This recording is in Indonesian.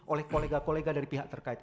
oleh kolega kolega dari pihak terkait